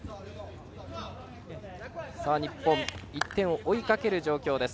日本、１点を追いかける状況です。